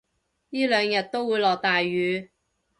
依兩日都會落大雨